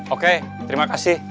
oke terima kasih